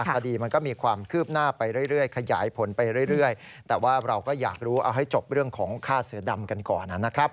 คดีมันก็มีความคืบหน้าไปเรื่อยขยายผลไปเรื่อยแต่ว่าเราก็อยากรู้เอาให้จบเรื่องของฆ่าเสือดำกันก่อนนะครับ